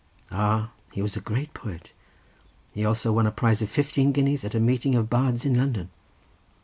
Ah, he was a good poet. He also won a prize of fifteen guineas at a meeting of bards in London."